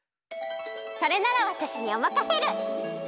それならわたしにおまかシェル！